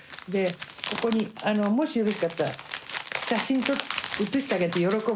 ここにもしよろしかったら写真映してあげて喜ぶと思うから。